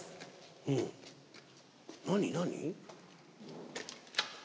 うん何何？